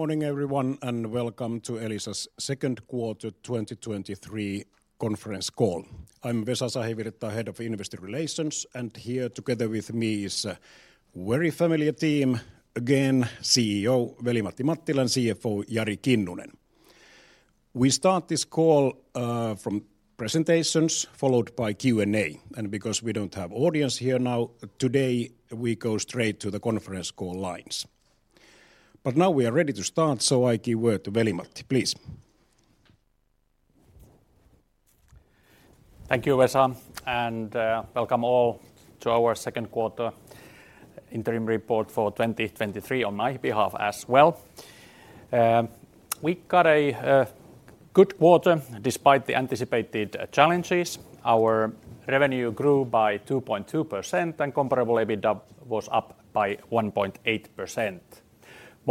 Good morning, everyone, and welcome to Elisa's Q2 2023 conference call. I'm Vesa Sahivirta, Head of Investor Relations, and here together with me is a very familiar team, again, CEO Veli-Matti Mattila and CFO Jari Kinnunen. We start this call with presentations, followed by Q&A. Because we don't have audience here now, today, we go straight to the conference call lines. Now we are ready to start, so I give the word to Veli-Matti, please. Thank you, Vesa, welcome all to our Q2 interim report for 2023 on my behalf as well. We got a good quarter despite the anticipated challenges. Our revenue grew by 2.2%, and comparable EBITDA was up by 1.8%.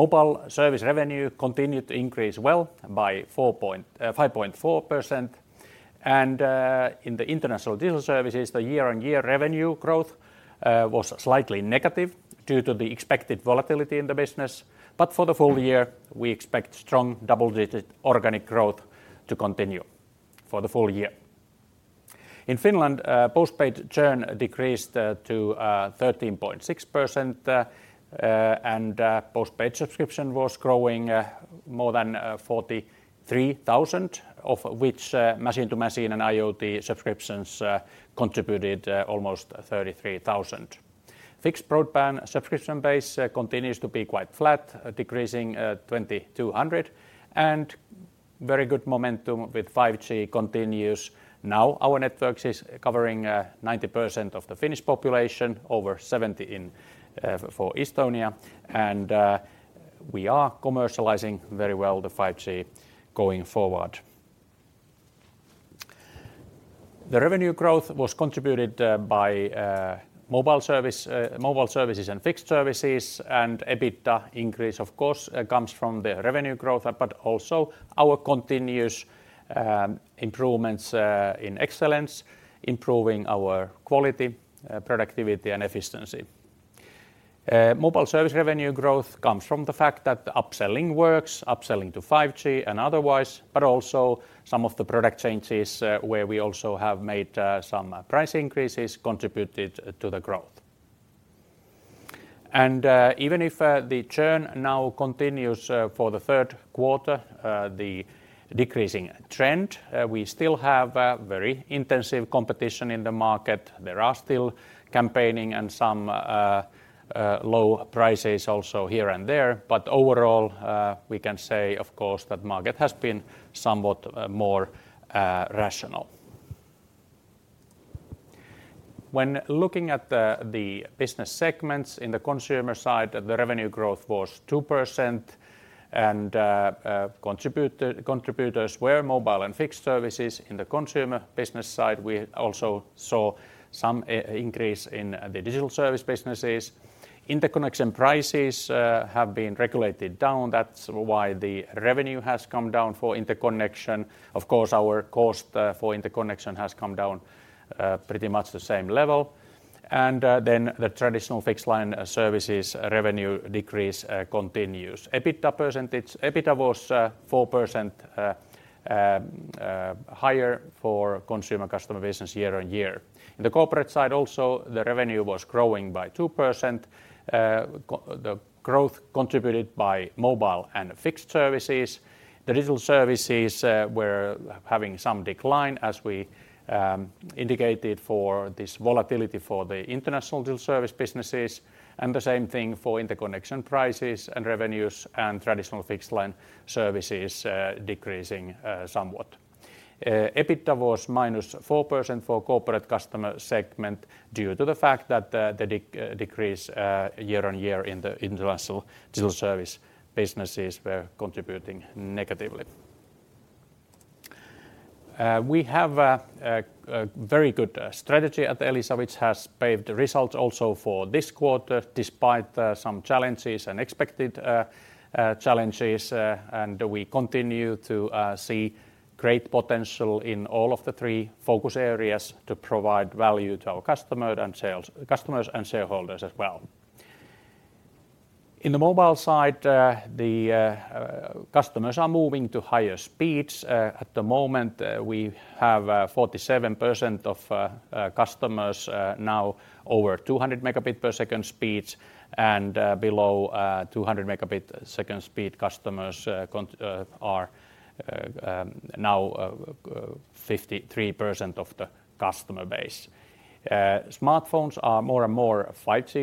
Mobile service revenue continued to increase well by 5.4%. In the international digital services, the year-on-year revenue growth was slightly negative due to the expected volatility in the business. For the full year, we expect strong double-digit organic growth to continue for the full year. In Finland, postpaid churn decreased to 13.6%, and postpaid subscriptions was growing more than 43,000, of which machine-to-machine and IoT subscriptions contributed almost 33,000. Fixed broadband subscription base continues to be quite flat, decreasing 2,200. Very good momentum with 5G continues. Now, our networks is covering 90% of the Finnish population, over 70% for Estonia. We are commercializing very well the 5G going forward. The revenue growth was contributed by mobile services and fixed services. The EBITDA increase, of course, comes from the revenue growth, but also our continuous improvements in excellence, improving our quality, productivity, and efficiency. Mobile service revenue growth comes from the fact that the upselling works, upselling to 5G and otherwise, but also some of the product changes, where we also have made some price increases contributed to the growth. Even if the churn now continues for the Q3, the decreasing trend, we still have a very intensive competition in the market. There are still campaigning and some low prices also here and there. Overall, we can say, of course, that market has been somewhat more rational. When looking at the business segments in the consumer side, the revenue growth was 2%, the contributors were mobile and fixed services. In the consumer business side, we also saw some increase in the digital service businesses. Interconnection prices have been regulated down. That's why the revenue has come down for interconnection. Of course, our cost for interconnection has come down pretty much the same level. The traditional fixed line services revenue decrease continues. EBITDA percentage, EBITDA was 4% higher for consumer customer business year-on-year. In the corporate side also, the revenue was growing by 2%, the growth contributed by mobile and fixed services. The digital services were having some decline, as we indicated for this volatility for the international digital service businesses, and the same thing for interconnection prices and revenues and traditional fixed line services decreasing somewhat. EBITDA was -4% for corporate customer segment due to the fact that the decrease year-on-year in the international digital service businesses were contributing negatively. We have a very good strategy at Elisa, which has paved the results also for this quarter, despite some challenges and expected challenges, and we continue to see great potential in all of the three focus areas to provide value to our customers and shareholders as well. In the mobile side, the customers are moving to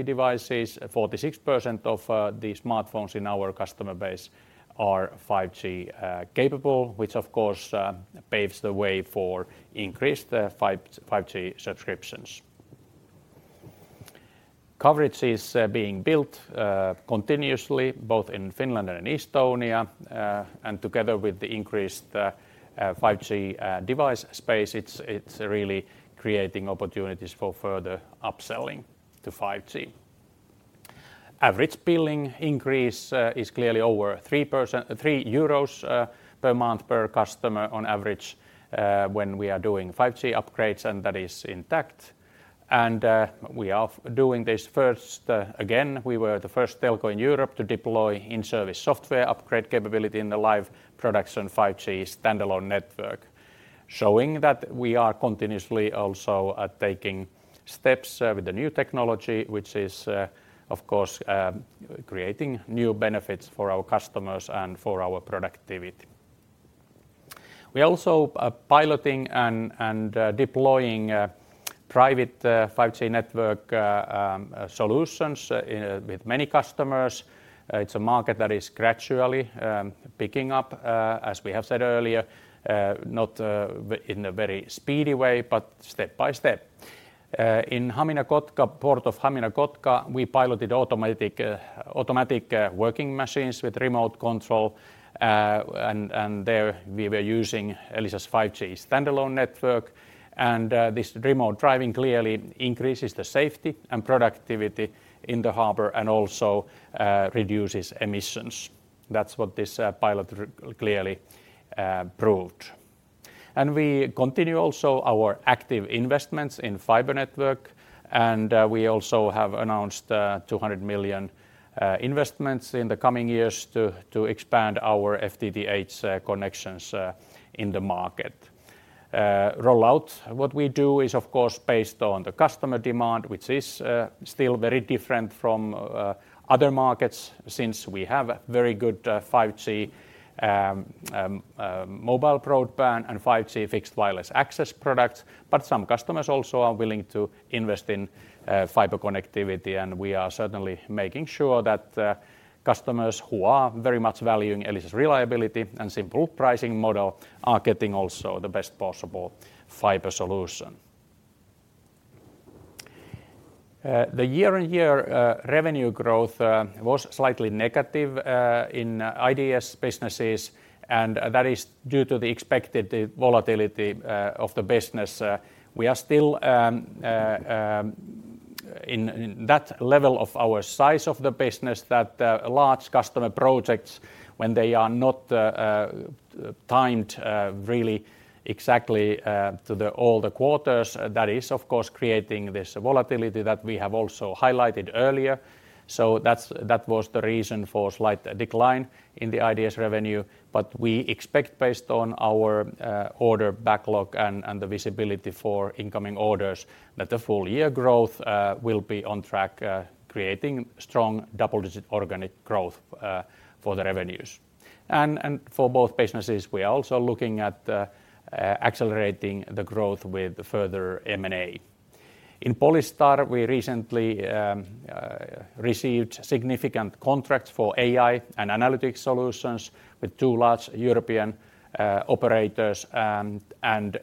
higher speeds. At the moment, we have 47% of customers now over 200 megabit per second speeds, and below 200 megabit second speed customers are now 53% of the customer base. Smartphones are more and more 5G devices. 46% of the smartphones in our customer base are 5G capable, which, of course, paves the way for increased 5G subscriptions. Coverage is being built continuously, both in Finland and Estonia, and together with the increased 5G device space, it's really creating opportunities for further upselling to 5G. Average billing increase is clearly over 3%, EUR 3 per month per customer on average, when we are doing 5G upgrades, and that is intact. We are doing this first. Again, we were the first telco in Europe to deploy in-service software upgrade capability in the live production 5G standalone network, showing that we are continuously also taking steps with the new technology, which is, of course, creating new benefits for our customers and for our productivity. We are also piloting and deploying private 5G network solutions in with many customers. It's a market that is gradually picking up as we have said earlier, not in a very speedy way, but step by step. In Hamina-Kotka, port of Hamina-Kotka, we piloted automatic working machines with remote control. There we were using Elisa's 5G standalone network, and this remote driving clearly increases the safety and productivity in the harbor and also reduces emissions. That's what this pilot clearly proved. We continue also our active investments in fiber network, and we also have announced 200 million investments in the coming years to expand our FTTH connections in the market. What we do is of course, based on the customer demand, which is still very different from other markets since we have a very good mobile broadband and 5G fixed wireless access products. Some customers also are willing to invest in fiber connectivity, and we are certainly making sure that customers who are very much valuing Elisa's reliability and simple pricing model are getting also the best possible fiber solution. The year-on-year revenue growth was slightly negative in IDS businesses, and that is due to the expected volatility of the business. We are still in that level of our size of the business that large customer projects when they are not timed really exactly to the all the quarters That is, of course, creating this volatility that we have also highlighted earlier. That was the reason for slight decline in the IDS revenue, but we expect, based on our order backlog and the visibility for incoming orders, that the full year growth will be on track, creating strong double-digit organic growth for the revenues. And for both businesses, we are also looking at accelerating growth with further M&A. In Polystar, we recently received significant contracts for AI and analytic solutions with two large European operators. And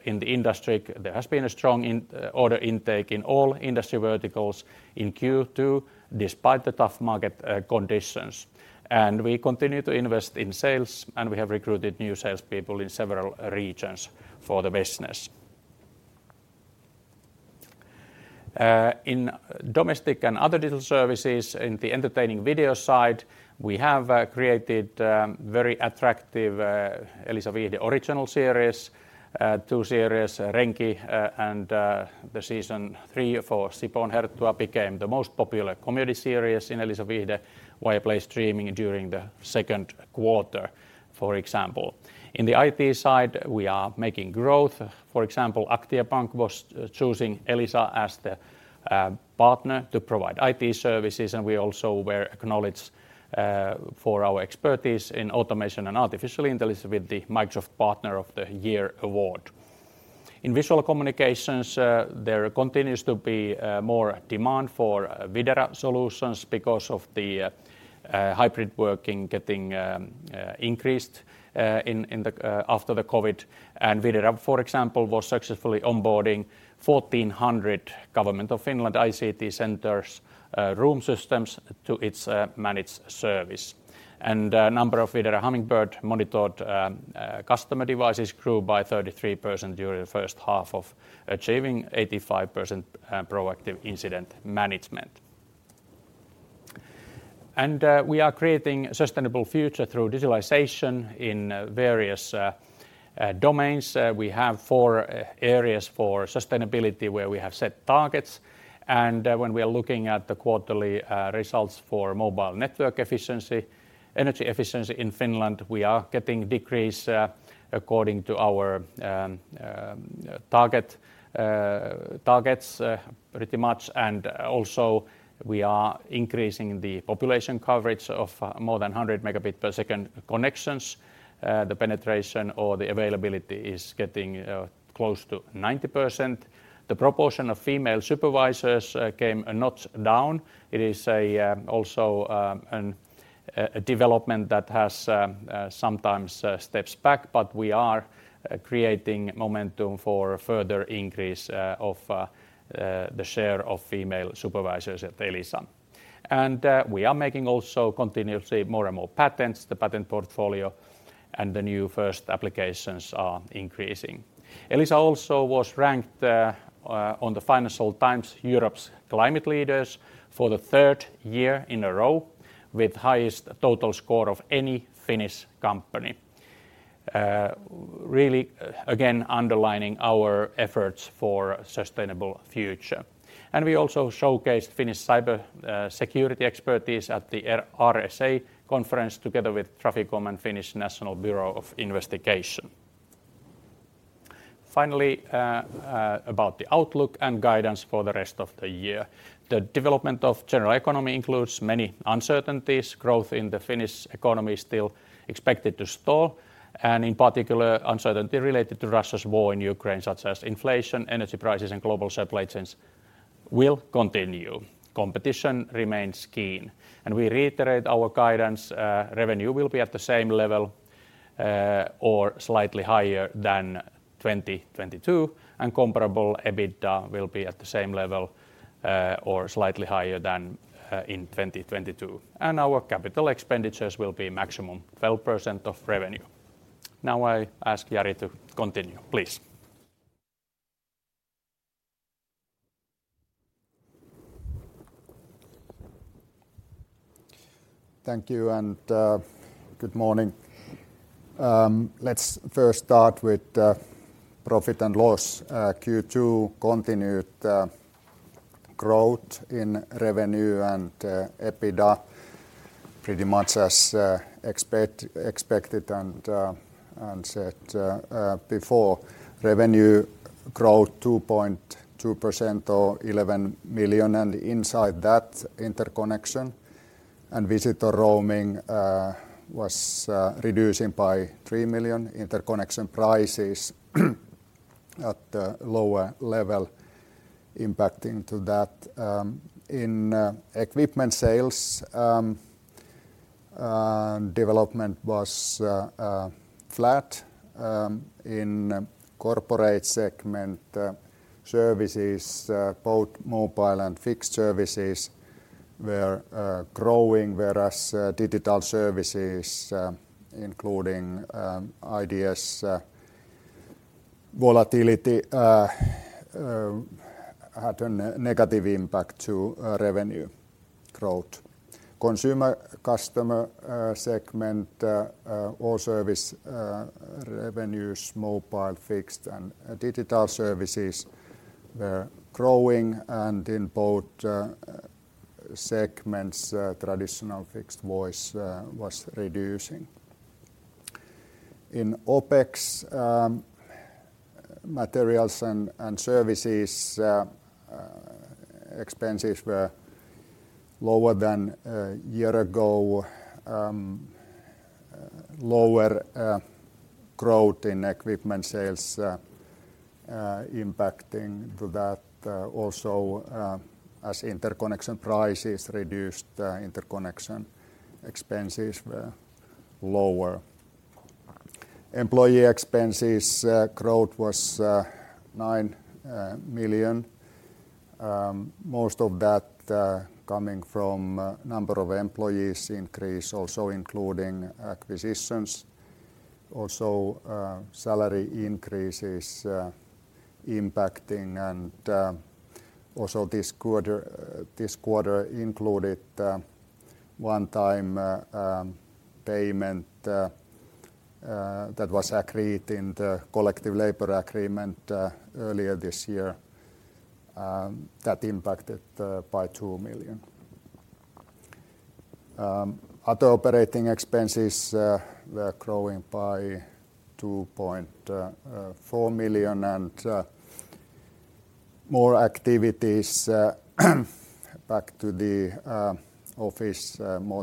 in the industry, there has been a strong order intake in all industry verticals in Q2, despite the tough market conditions. We continue to invest in sales, and we have recruited new salespeople in several regions for the business. In domestic and other digital services, in the entertaining video side, we have created very attractive Elisa Viihde original series. Two series, Renki, and the Season 3 for Sipoon Herttua became the most popular comedy series in Elisa Viihde, Viaplay streaming during the 2Q, for example. In the IT side, we are making growth. For example, Aktia Bank was choosing Elisa as the partner to provide IT services, and we also were acknowledged for our expertise in automation and artificial intelligence with the Microsoft Partner of the Year award. In Visual Communications, there continues to be more demand for Videra solutions because of the hybrid working getting increased in the after COVID. Videra, for example, was successfully onboarding 1,400 Government of Finland ICT centres, room systems to its managed service. Number of Elisa Videra Hummingbird monitored customer devices grew by 33% during the first half of achieving an 85% proactive incident management. We are creating sustainable future through digitalization in various domains. We have four areas for sustainability, where we have set targets. When we are looking at the quarterly results for mobile network efficiency, energy efficiency in Finland, we are getting decrease according to our targets pretty much. Also, we are increasing the population coverage of more than 100 megabit per second connections. The penetration or the availability is getting close to 90%. The proportion of female supervisors came a notch down. It is also a development that has sometimes steps back, but we are creating momentum for further increase of the share of female supervisors at Elisa. We are making also continuously more and more patents. The patent portfolio and the new first applications are increasing. Elisa also was ranked on the Financial Times Europe's Climate Leaders for the third year in a row, with highest total score of any Finnish company. Really, again, underlining our efforts for sustainable future. We also showcased Finnish cyber security expertise at the RSA Conference together with Traficom and Finnish National Bureau of Investigation. Finally, about the outlook and guidance for the rest of the year. The development of general economy includes many uncertainties. Growth in the Finnish economy is still expected to stall, and in particular, uncertainty related to Russia's war in Ukraine, such as inflation, energy prices, and global supply chains will continue. Competition remains keen, and we reiterate our guidance, revenue will be at the same level or slightly higher than 2022, and comparable EBITDA will be at the same level or slightly higher than in 2022. Our capital expenditures will be maximum 12% of revenue. Now, I ask Jari to continue, please. Thank you, good morning. Let's first start with profit and loss. Q2 continued growth in revenue and EBITDA, pretty much as expected and said before. Revenue growth 2.2% or 11 million, inside that, interconnection and visitor roaming was reducing by 3 million. Interconnection prices, at a lower level impacting that. In equipment sales, development was flat. In corporate segment, services, both mobile and fixed services were growing, whereas digital services, including IDS volatility, had a negative impact to revenue growth. Consumer customer segment, all service revenues, mobile, fixed, and digital services were growing, in both segments, traditional fixed voice was reducing. In OpEx, materials and services, expenses were lower than a year ago. Lower growth in equipment sales, impacting that. As interconnection prices reduced, interconnection expenses were lower. Employee expenses, growth was 9 million. Most of that, coming from number of employees increase, also including acquisitions. Salary increases, impacting, and this quarter included one-time payment that was agreed in the collective labor agreement earlier this year. That impacted by EUR 2 million. re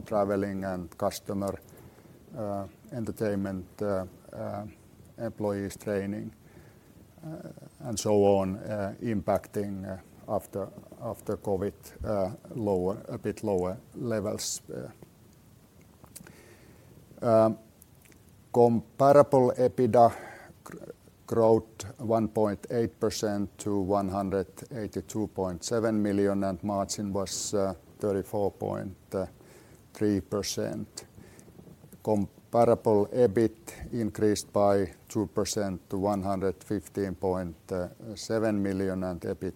traveling and customer entertainment, employees training, and so on, impacting after COVID, lower, a bit lower levels. Comparable EBITDA growth 1.8% to 182.7 million, and margin was 34.3%. Comparable EBIT increased by 2% to 115.7 million, and EBIT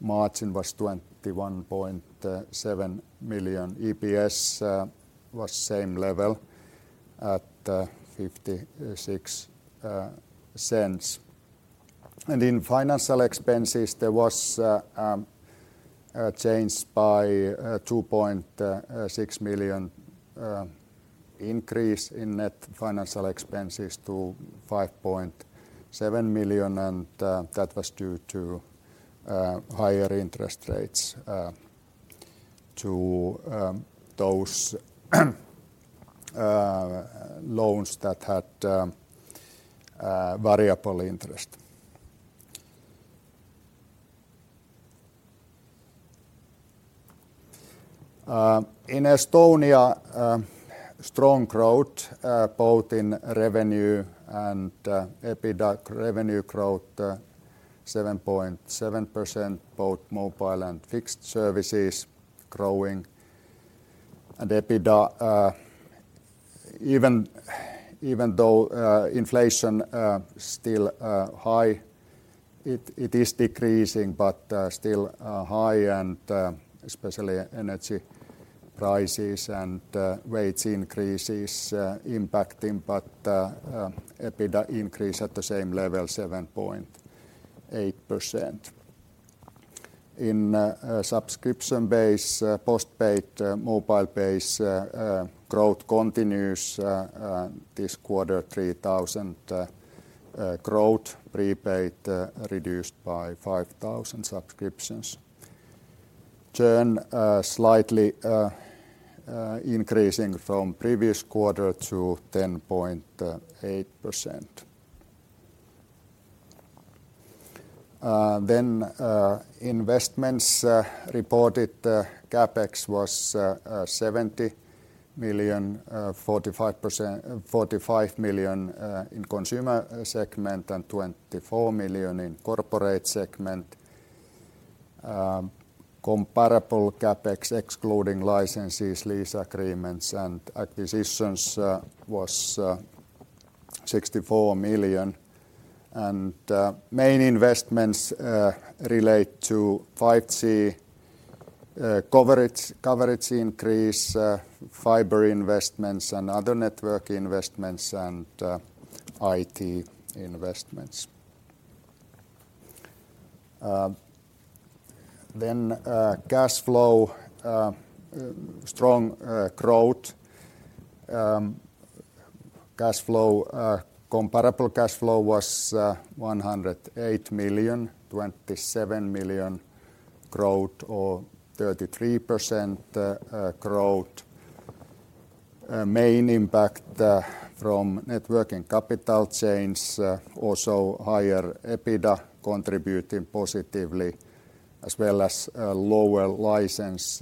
margin was 21.7%. EPS was same level at 0.56. In financial expenses, there was a change by 2.6 million increase in net financial expenses to 5.7 million. That was due to higher interest rates to those loans that had variable interest. In Estonia, strong growth both in revenue and EBITDA. Revenue growth 7.7%, both mobile and fixed services growing. EBITDA even though inflation still high, it is decreasing, but still high, and especially energy prices and wage increases impacting, but EBITDA increase at the same level, 7.8%. In subscription base, postpaid mobile base, growth continues this quarter, 3,000 growth. Prepaid reduced by 5,000 subscriptions. Churn slightly increasing from previous quarter to 10.8%. Investments reported CapEx was 70 million, 45 million in consumer segment and 24 million in corporate segment. Comparable CapEx, excluding licenses, lease agreements, and acquisitions, was 64 million. Main investments relate to 5G coverage increase, fiber investments, and other network investments, and IT investments. Cash flow strong growth. Cash flow comparable cash flow was 108 million, 27 million growth or 33% growth. Main impact from net working capital change, also higher EBITDA contributing positively, as well as lower license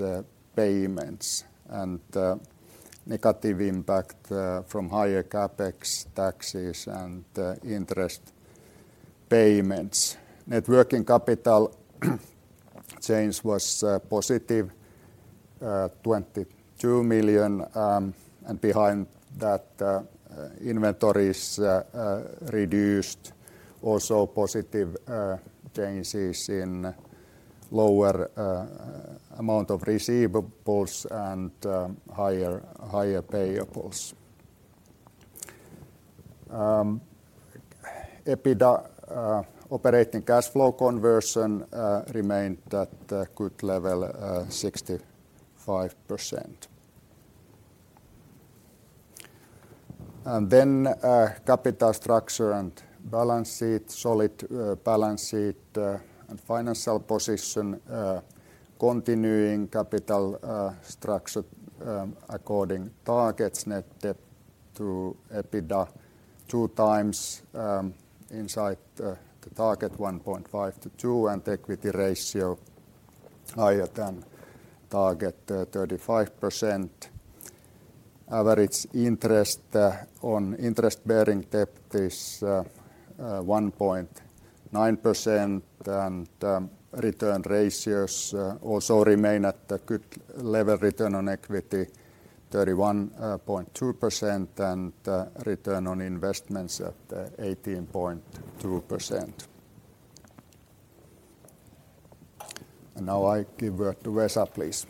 payments, and negative impact from higher CapEx, taxes, and interest payments. Net working capital change was positive 22 million, and behind that, inventories reduced. Also, positive changes in lower amount of receivables and higher payables. EBITDA operating cash flow conversion remained at a good level, 65%. Capital structure and balance sheet. Solid balance sheet and financial position, continuing capital structure according targets, net debt to EBITDA 2x, inside the target 1.5-2, and equity ratio higher than target, 35%. Average interest on interest-bearing debt is 1.9%, and return ratios also remain at a good level. Return on equity, 31.2%, and return on investments at 18.2%. Now I give the word to Vesa, please.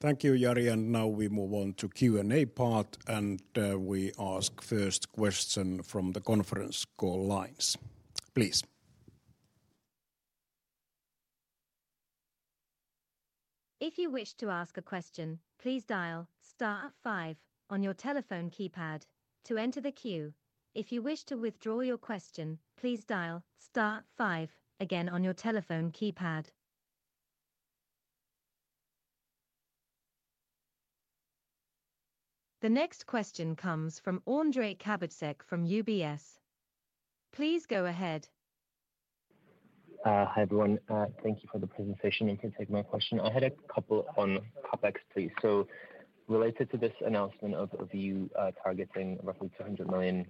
Thank you, Jari, and now we move on to Q&A part, and we ask first question from the conference call lines. Please. If you wish to ask a question, please dial star five on your telephone keypad to enter the queue. If you wish to withdraw your question, please dial star five again on your telephone keypad. The next question comes from Ondrej Cabejsek from UBS. Please go ahead. Hi, everyone. Thank you for the presentation. You can take my question. I had a couple on CapEx, please. Related to this announcement of you targeting roughly 200 million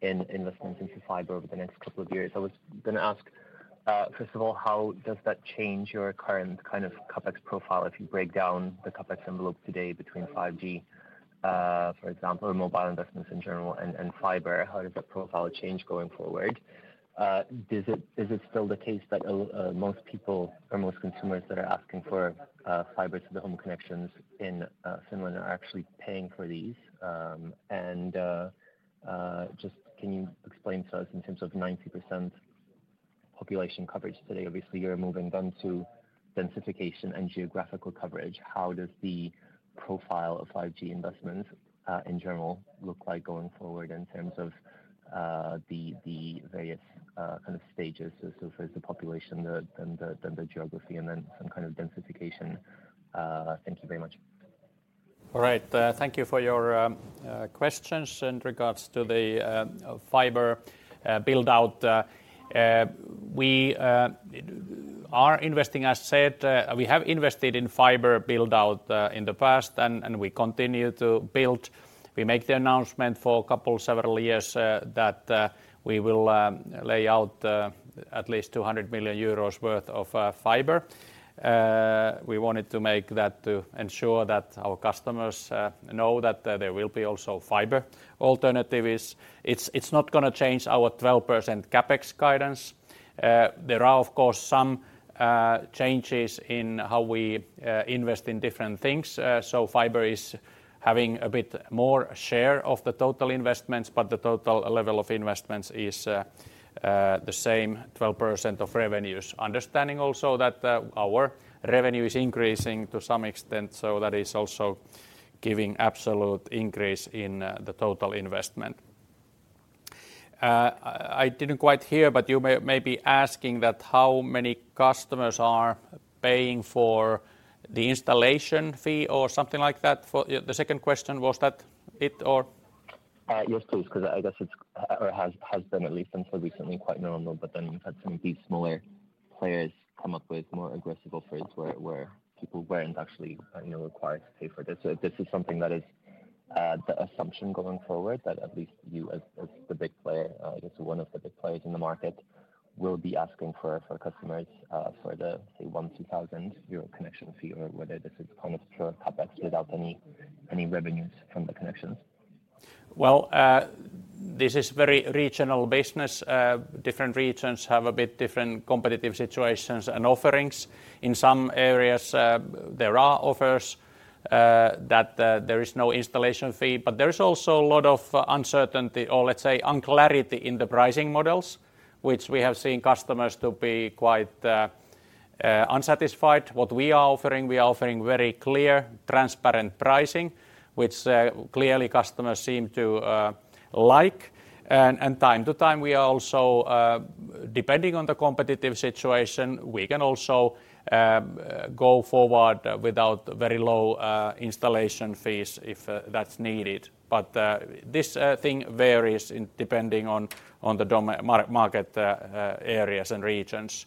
in investments into fiber over the next couple of years, I was going to ask, first of all, how does that change your current, kind of, CapEx profile? If you break down the CapEx envelope today between 5G, for example, or mobile investments in general, and fiber, how does that profile change going forward? Is it still the case that most people or most consumers that are asking for fiber to the home connections in Finland are actually paying for these? Just can you explain to us in terms of 90% population coverage today? You're moving them to densification and geographical coverage. How does the profile of 5G investments in general, look like going forward in terms of the various kind of stages, so first the population, and the geography, and then some kind of densification? Thank you very much. All right, thank you for your questions in regards to the fiber build-out. We are investing, as said, we have invested in fiber build-out in the past, and we continue to build. We make the announcement for a couple, several years, that we will lay out at least 200 million euros worth of fiber. We wanted to make that to ensure that our customers know that there will be also fiber alternatives. It's not gonna change our 12% CapEx guidance. There are, of course, some changes in how we invest in different things. Fiber is having a bit more share of the total investments, but the total level of investments is the same 12% of revenues. Understanding also that our revenue is increasing to some extent. That is also giving absolute increase in the total investment. I didn't quite hear. You may be asking that how many customers are paying for the installation fee or something like that? The second question, was that it, or? Yes, please, 'cause I guess it's, or has been at least until recently, quite normal. We've had some of these smaller players come up with more aggressive offers, where people weren't actually, you know, required to pay for this. This is something that is the assumption going forward, that at least you as the big player, I guess one of the big players in the market, will be asking for customers, for the, say, 1, 2,000 euro connection fee, or whether this is almost pure CapEx without any revenues from the connections. Well, this is very regional business. Different regions have a bit different competitive situations and offerings. In some areas, there are offers that there is no installation fee. There is also a lot of uncertainty or, let's say, unclarity in the pricing models, which we have seen customers to be quite unsatisfied. What we are offering, we are offering very clear, transparent pricing, which clearly customers seem to like. Time to time, we are also, depending on the competitive situation, we can also go forward without very low installation fees if that's needed. This thing varies in depending on the market areas and regions.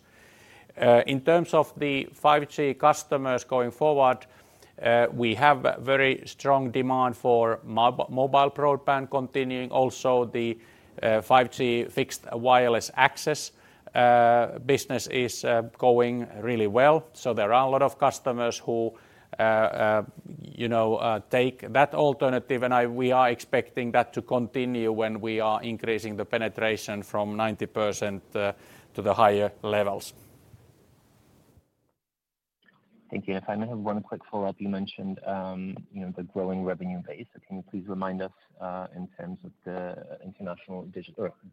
In terms of the 5G customers going forward, we have very strong demand for mobile broadband continuing. The 5G fixed wireless access business is going really well. There are a lot of customers who, you know, take that alternative, and we are expecting that to continue when we are increasing the penetration from 90% to the higher levels. Thank you. If I may have one quick follow-up. You mentioned, you know, the growing revenue base. Can you please remind us in terms of the international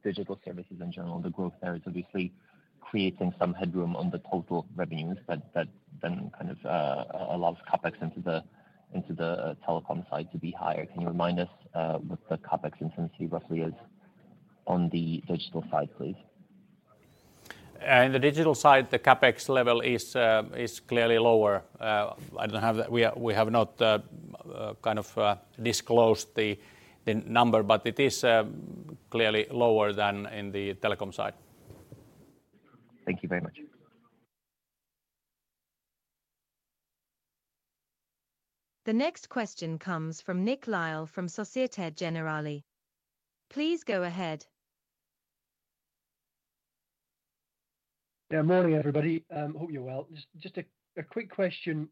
digital services in general, the growth there is obviously creating some headroom on the total revenues, but that then kind of allows CapEx into the telecom side to be higher. Can you remind us what the CapEx intensity roughly is on the digital side, please? In the digital side, the CapEx level is clearly lower. We have not kind of disclosed the number, but it is clearly lower than in the telecom side. Thank you very much. The next question comes from Nick Lyall from Société Générale. Please go ahead. Yeah. Morning, everybody. Hope you're well. Just a quick question,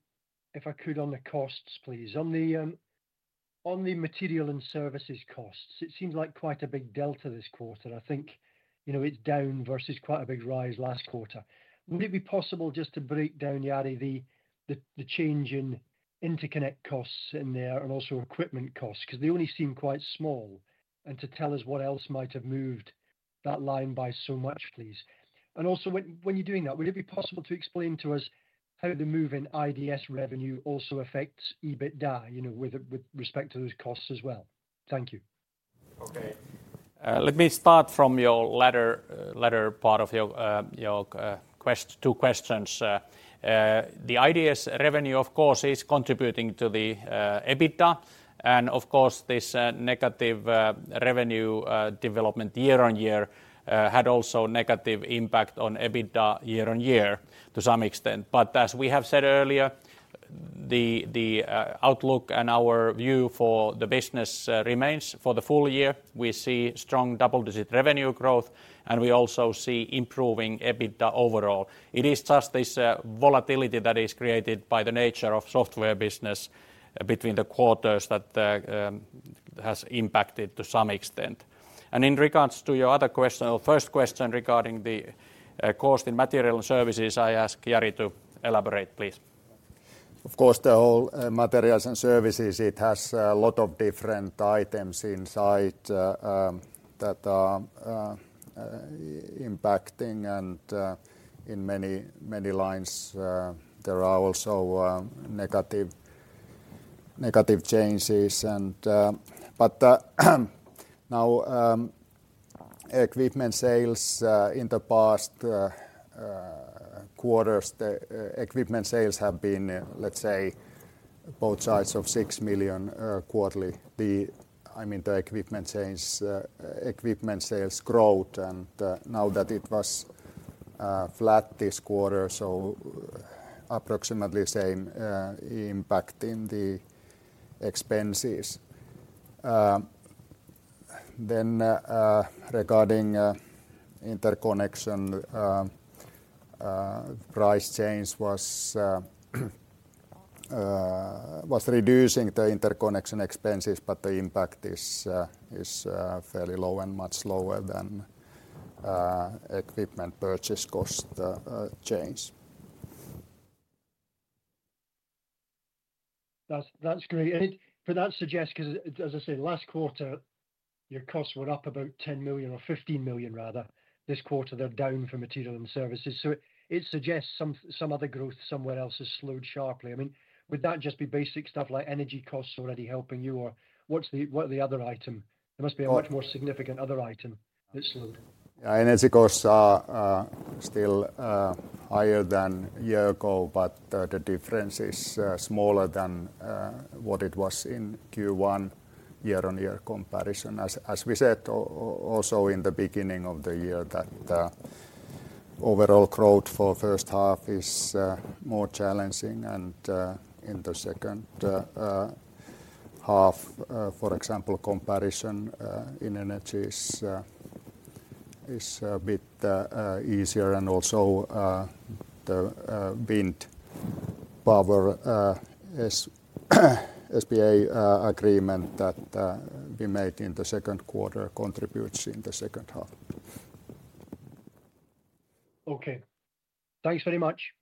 if I could, on the costs, please. On the material and services costs, it seems like quite a big delta this quarter. I think, you know, it's down versus quite a big rise last quarter. Would it be possible just to break down, Jari, the change in interconnect costs in there and also equipment costs? Cause they only seem quite small, and to tell us what else might have moved that line by so much, please. Also, when you're doing that, would it be possible to explain to us how the move in IDS revenue also affects EBITDA, you know, with respect to those costs as well? Thank you. Okay. Let me start from your latter part of your, two questions. The IDS revenue, of course, is contributing to the EBITDA. Of course, this negative revenue development year-over-year had also negative impact on EBITDA year-over-year to some extent. As we have said earlier, the outlook and our view for the business remains. For the full year, we see strong double-digit revenue growth, and we also see improving EBITDA overall. It is just this volatility that is created by the nature of software business between the quarters that has impacted to some extent. In regards to your other question, or first question regarding the cost in material and services, I ask Jari to elaborate, please. Of course, the whole materials and services, it has a lot of different items inside that are impacting, and in many, many lines, there are also negative changes. Equipment sales in the past quarters, the equipment sales have been, let's say, both sides of 6 million quarterly. I mean, the equipment sales growth, and now that it was flat this quarter, so approximately same impact in the expenses. Regarding interconnection, price change was reducing the interconnection expenses, but the impact is fairly low and much lower than equipment purchase cost change. That's great. But that suggests, 'cause as I said, last quarter, your costs were up about 10 million or 15 million, rather. This quarter, they're down for material and services, so it suggests some other growth somewhere else has slowed sharply. I mean, would that just be basic stuff like energy costs already helping you, or what's the, what are the other item? There must be a much more significant other item that slowed. Energy costs are still higher than a year ago, but the difference is smaller than what it was in Q1 year-on-year comparison. As we said, also in the beginning of the year, that the overall growth for first half is more challenging and in the second half, for example, comparison in energy is a bit easier. Also, the wind power PPA agreement that we made in the Q2 contributes in the second half. Okay. Thanks very much.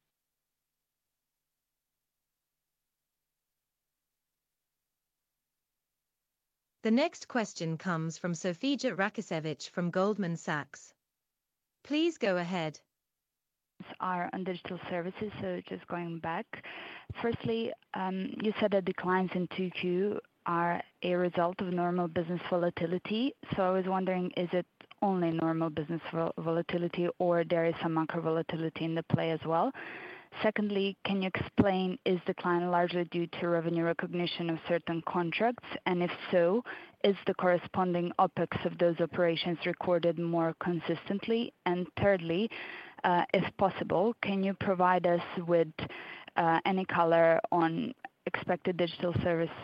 The next question comes from Sofija Rakicevic from Goldman Sachs. Please go ahead. Are on digital services, just going back. Firstly, you said the declines in 2Q are a result of normal business volatility. I was wondering, is it only normal business volatility, or there is some macro volatility in the play as well? Secondly, can you explain, is the decline largely due to revenue recognition of certain contracts? If so, is the corresponding OpEx of those operations recorded more consistently? Thirdly, if possible, can you provide us with any color on expected digital service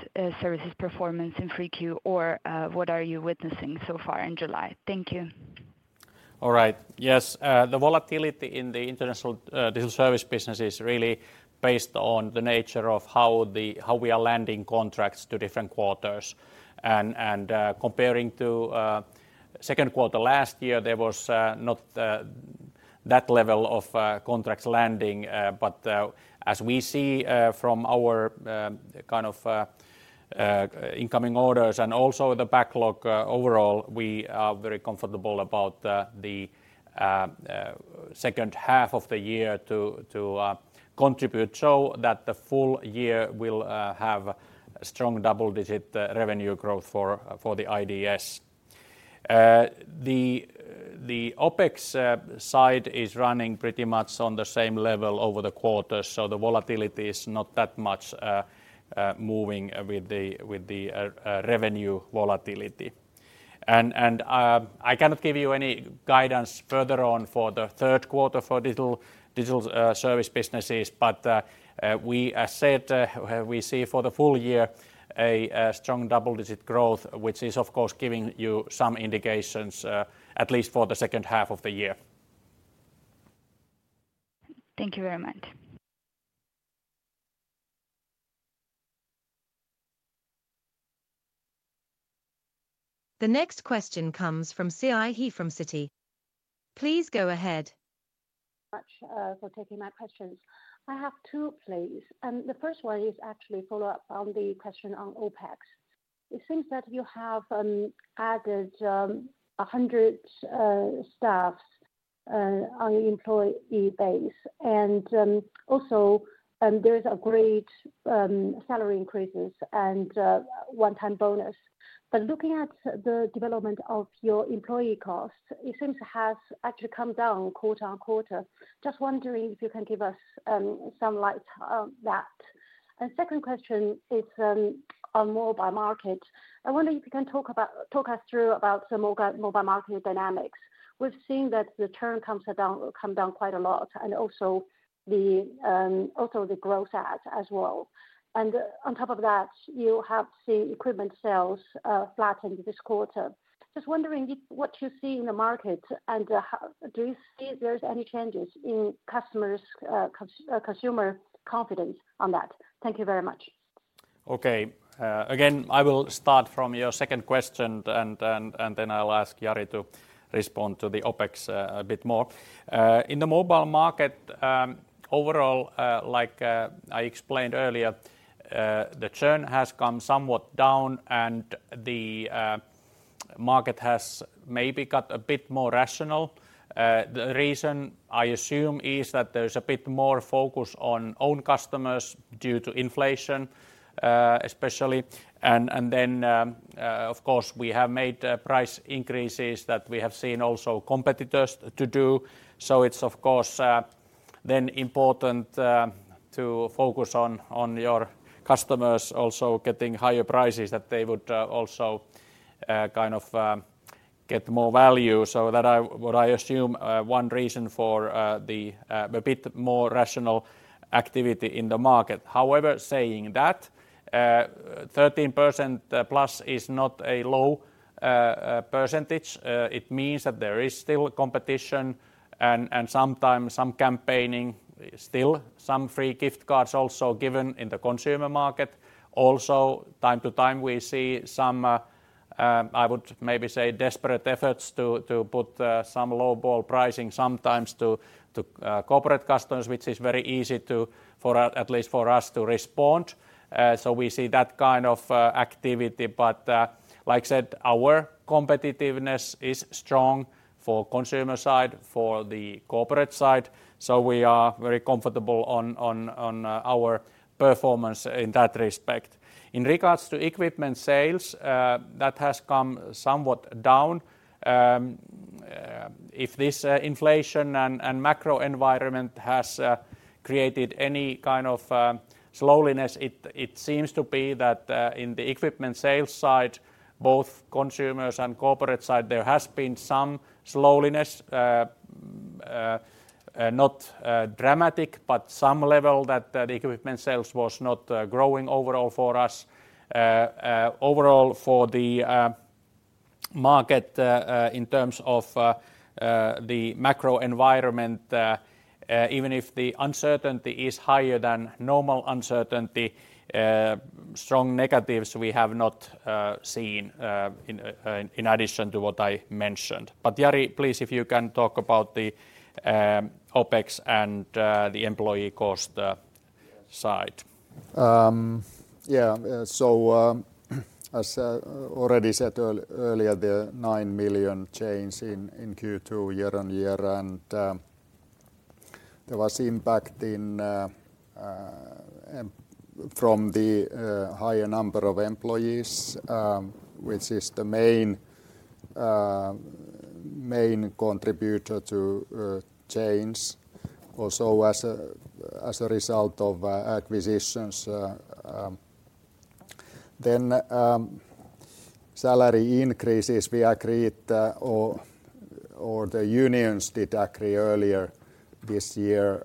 services performance in 3Q, or what are you witnessing so far in July? Thank you. All right. Yes, the volatility in the international digital service business is really based on the nature of how we are landing contracts to different quarters. Comparing to Q2 last year, there was not that level of contracts landing. As we see from our kind of incoming orders and also the backlog, overall, we are very comfortable about the second half of the year to contribute. That the full year will have a strong double-digit revenue growth for the IDS. The OpEx side is running pretty much on the same level over the quarters, so the volatility is not that much moving with the revenue volatility. I cannot give you any guidance further on for the Q3 for digital service businesses. We, as said, we see for the full year a strong double-digit growth, which is, of course, giving you some indications, at least for the second half of the year. Thank you very much. The next question comes from Siyi He from Citi. Please go ahead. Much for taking my questions. I have two, please. The first one is actually a follow-up on the question on OpEx. It seems that you have added 100 staff on your employee base. Also, there is a great salary increases and one-time bonus. Looking at the development of your employee costs, it seems to have actually come down quarter-on-quarter. Just wondering if you can give us some light on that. Second question is on mobile market. I wonder if you can talk us through about the mobile market dynamics. We've seen that the churn come down quite a lot. Also, the growth adds as well. On top of that, you have seen equipment sales flattened this quarter. Just wondering if what you see in the market, and, how do you see if there's any changes in customers, consumer confidence on that? Thank you very much. Okay, again, I will start from your second question, and then I'll ask Jari to respond to the OpEx a bit more. In the mobile market, overall, like I explained earlier, the churn has come somewhat down, and the market has maybe got a bit more rational. The reason I assume is that there's a bit more focus on own customers due to inflation, especially. Then, of course, we have made price increases that we have seen also competitors to do. It's of course then important to focus on your customers also getting higher prices that they would also kind of get more value. That what I assume, one reason for the a bit more rational activity in the market. Saying that, 13%+ is not a low percentage. It means that there is still competition and sometimes some campaigning, still some free gift cards also given in the consumer market. Also, time to time, we see some, I would maybe say desperate efforts to put some low-ball pricing sometimes to corporate customers, which is very easy to, for, at least for us to respond. We see that kind of activity, like I said, our competitiveness is strong for consumer side, for the corporate side, so we are very comfortable on our performance in that respect. In regards to equipment sales, that has come somewhat down. If this inflation and macro environment has created any kind of slowness, it seems to be that in the equipment sales side, both consumers and corporate side, there has been some slowness. Not dramatic, but some level that the equipment sales was not growing overall for us. Overall, for the market, in terms of the macro environment, even if the uncertainty is higher than normal uncertainty, strong negatives we have not seen in addition to what I mentioned. Jari, please, if you can talk about the OpEx and the employee cost side. Yeah. As already said earlier, the 9 million change in Q2 year-on-year, and there was impact from the higher number of employees, which is the main contributor to change. Also, as a result of acquisitions. Salary increases, we agreed, or the unions did agree earlier this year,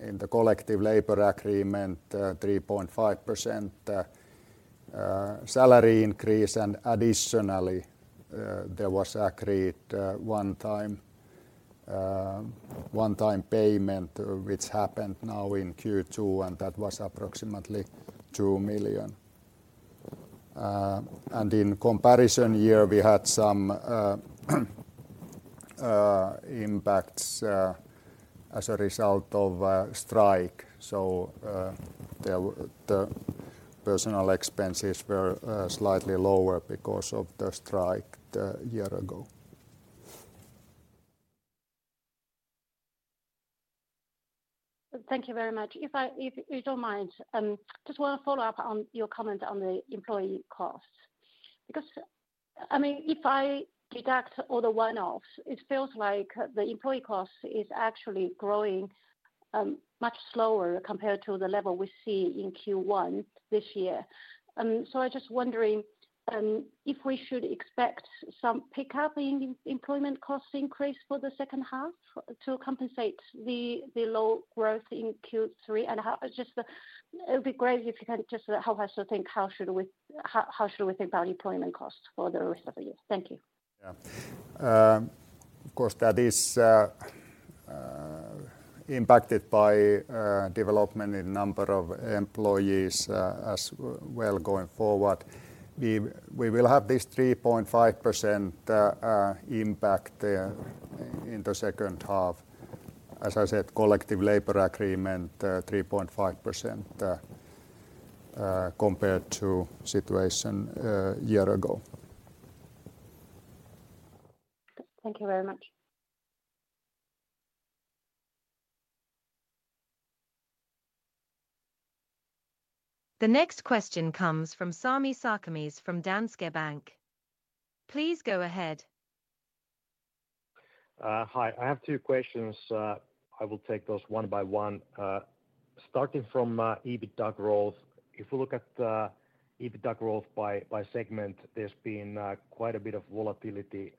in the collective labor agreement, 3.5% salary increase, and additionally, there was agreed one-time payment, which happened now in Q2, and that was approximately 2 million. In comparison year, we had some impacts as a result of a strike, so the personal expenses were slightly lower because of the strike the year ago. Thank you very much. If you don't mind, just want to follow up on your comment on the employee costs. I mean, if I deduct all the one-offs, it feels like the employee cost is actually growing much slower compared to the level we see in Q1 this year. I just wondering if we should expect some pickup in employment cost increase for the second half to compensate the low growth in Q3? Just, it would be great if you can just help us to think how should we think about employment costs for the rest of the year. Thank you. Yeah. Of course, that is impacted by development in number of employees as well going forward. We will have this 3.5% impact there in the second half. As I said, collective labor agreement, 3.5% compared to situation a year ago. Thank you very much. The next question comes from Sami Sarkamies from Danske Bank. Please go ahead. Hi, I have two questions. I will take those one by one. Starting from EBITDA growth. If you look at EBITDA growth by segment, there's been quite a bit of volatility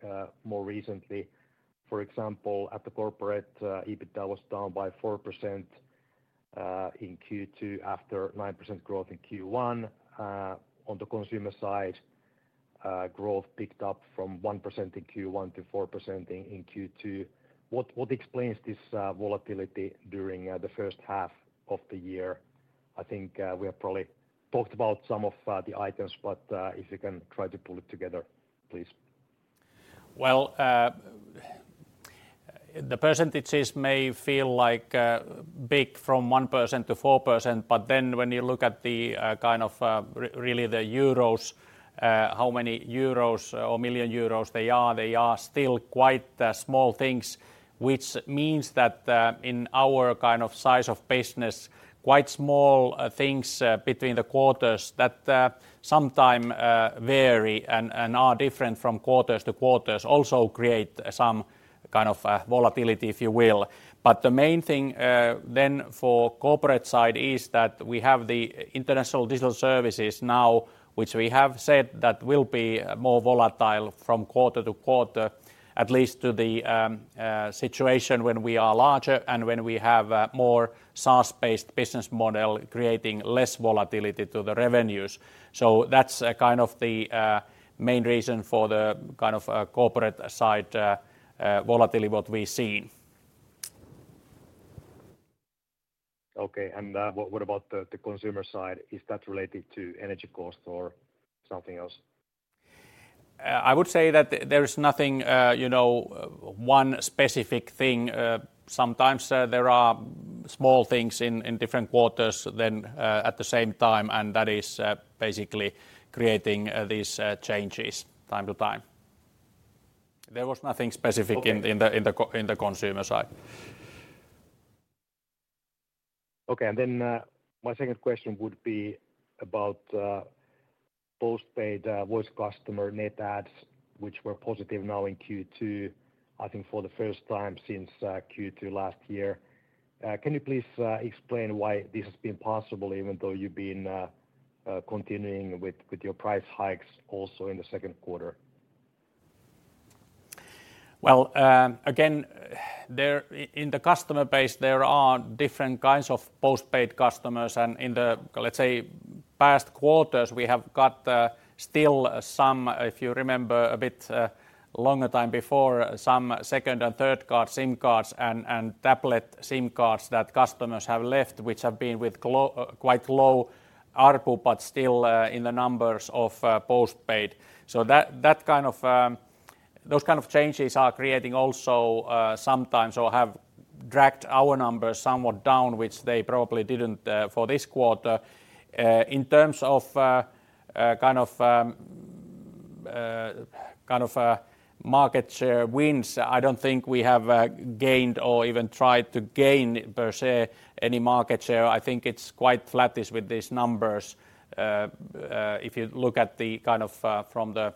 more recently. For example, at the corporate, EBITDA was down by 4% in Q2, after 9% growth in Q1. On the consumer side, growth picked up from 1% in Q1 to 4% in Q2. What explains this volatility during the first half of the year? I think we have probably talked about some of the items, but if you can try to pull it together, please. Well, the percentages may feel like big from 1%-4%, when you look at the kind of really the EUR, how many EUR or million euros they are, they are still quite small things, which means that in our kind of size of business, quite small things between the quarters that sometime vary and are different from quarters-to-quarters also create some kind of volatility, if you will. The main thing then for corporate side is that we have the international digital services now, which we have said that will be more volatile from quarter-to-quarter, at least to the situation when we are larger and when we have more SaaS-based business model, creating less volatility to the revenues. That's kind of the main reason for the kind of corporate side volatility what we've seen. Okay. What about the consumer side? Is that related to energy cost or something else? I would say that there is nothing, you know, one specific thing. Sometimes, there are small things in different quarters than, at the same time, and that is basically creating, these, changes time to time. There was nothing specific in the consumer side. Okay. My second question would be about, postpaid, voice customer net adds, which were positive now in Q2, I think for the first time since, Q2 last year. Can you please, explain why this has been possible even though you've been, continuing with your price hikes also in the second quarter? Again, in the customer base, there are different kinds of postpaid customers, and in the, let's say, past quarters, we have got still some, if you remember, a bit longer time before, some second and third card SIM cards and tablet SIM cards that customers have left, which have been with quite low ARPU, but still in the numbers of postpaid. That kind of, those kind of changes are creating also sometimes or have dragged our numbers somewhat down, which they probably didn't for this quarter. In terms of kind of, kind of market share wins, I don't think we have gained or even tried to gain per se, any market share. I think it's quite flattish with these numbers. If you look at the kind of, from the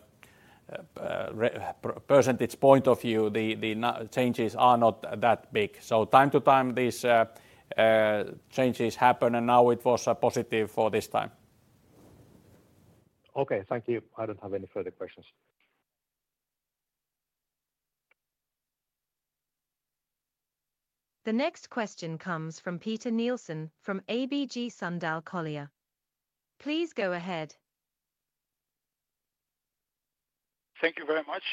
percentage point of view, the changes are not that big. Time to time, these changes happen, and now it was positive for this time. Okay. Thank you. I don't have any further questions. The next question comes from Peter Nielsen from ABG Sundal Collier. Please go ahead. Thank you very much.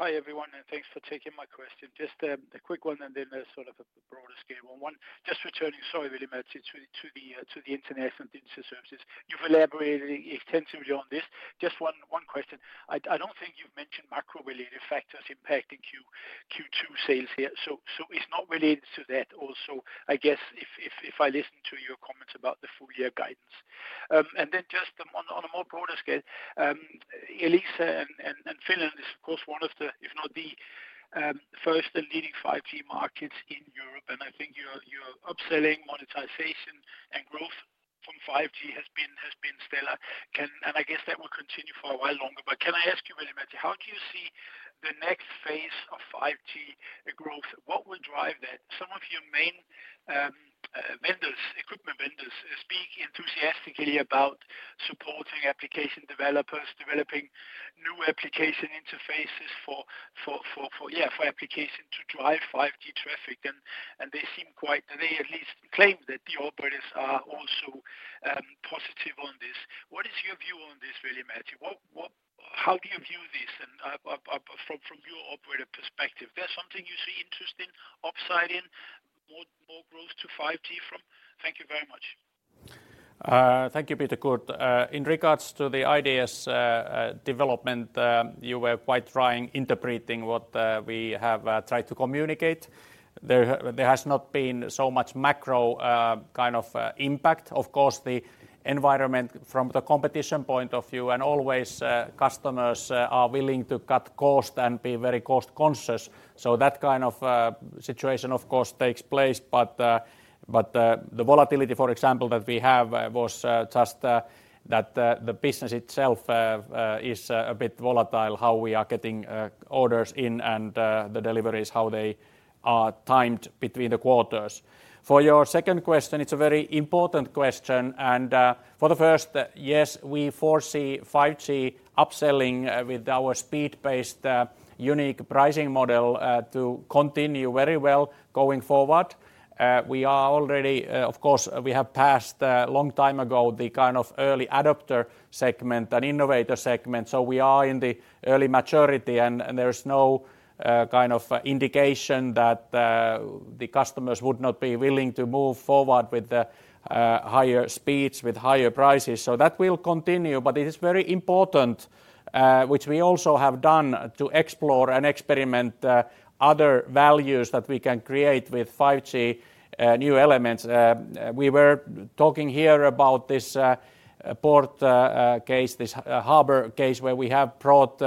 Hi, everyone, and thanks for taking my question. Just a quick one, and then a sort of a broader scale one. Just returning, sorry, Veli-Matti, to the international digital services. You've elaborated extensively on this. Just one question. I don't think you've mentioned macro-related factors impacting Q2 sales here. It's not related to that also, I guess, if I listen to your comments about the full year guidance. Then just on a more broader scale, Elisa and Finland is, of course, one of the, if not the, first and leading 5G markets in Europe, and I think your upselling, monetization, and growth from 5G has been stellar. I guess that will continue for a while longer. Can I ask you, Veli-Matti, how do you see the next phase of 5G growth? What will drive that? Some of your main vendors, equipment vendors, speak enthusiastically about supporting application developers, developing new application interfaces for application to drive 5G traffic, and they at least claim that the operators are also positive on this. What is your view on this, Veli-Matti? How do you view this from your operator perspective? There's something you see interest in, upside in, more growth to 5G from? Thank you very much. Thank you, Peter Nielsen. In regards to the IDS development, you were quite trying interpreting what we have tried to communicate. There has not been so much macro kind of impact. Of course, the environment from the competition point of view, and always customers are willing to cut cost and be very cost conscious. That kind of situation, of course, takes place. But the volatility, for example, that we have was just that the business itself is a bit volatile, how we are getting orders in and the deliveries, how they are timed between the quarters. For your second question, it's a very important question. For the first, yes, we foresee 5G upselling with our speed-based unique pricing model to continue very well going forward. Of course, we have passed long time ago, the kind of early adopter segment and innovator segment, so we are in the early maturity, and there is no kind of indication that the customers would not be willing to move forward with the higher speeds, with higher prices. That will continue, but it is very important, which we also have done, to explore and experiment other values that we can create with 5G, new elements. We were talking here about this port case, this harbor case, where we have brought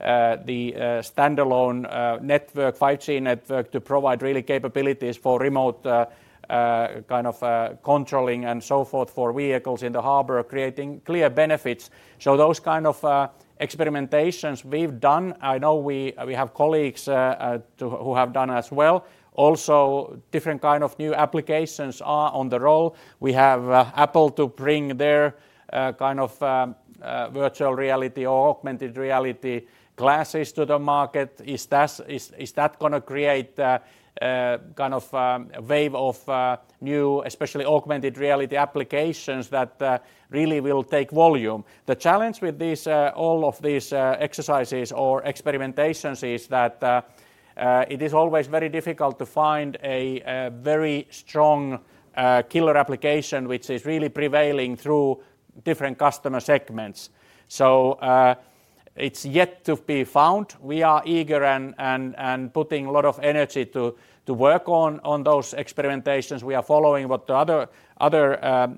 the standalone network, 5G network, to provide really capabilities for remote kind of controlling and so forth, for vehicles in the harbor, creating clear benefits. Those kind of experimentations we've done, I know we have colleagues who have done as well. Different kind of new applications are on the roll. We have Apple to bring their kind of virtual reality or augmented reality glasses to the market. Is that gonna create kind of a wave of new, especially augmented reality applications that really will take volume? The challenge with these, all of these exercises or experimentations is that it is always very difficult to find a very strong killer application, which is really prevailing through different customer segments. It's yet to be found. We are eager and putting a lot of energy to work on those experimentations. We are following what the other